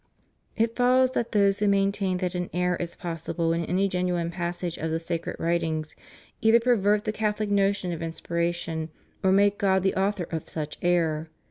^ It follows that those who maintain that an error is pos sible in any genuine passage of the sacred writings either pervert the Catholic notion of inspiration or make God the author of such error.